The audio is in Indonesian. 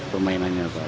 permainannya apa aja